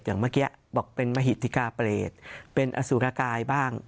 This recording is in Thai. อย่างเมื่อกี้บอกเป็นมหิติกาเปรตเป็นอสุรกายบ้าง